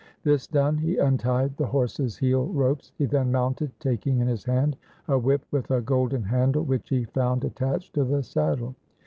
This done he untied the horse's heel ropes. He then mounted, taking in his hand a whip with a golden handle which he found attached to the saddle.